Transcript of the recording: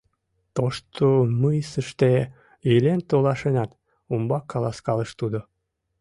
— Тошто мыйсыште илен толашеныт, — умбак каласкалыш тудо.